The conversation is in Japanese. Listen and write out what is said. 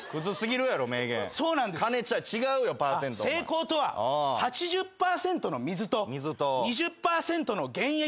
成功とは８０％の水と２０％の原液だと。